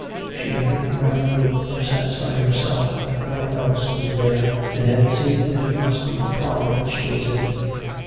(She had looked round the room to satisfy herself that no one else was there, and had seen that it must be the parlour that she was in.